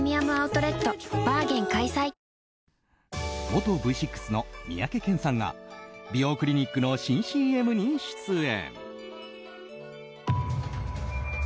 元Ｖ６の三宅健さんが美容クリニックの新ＣＭに出演。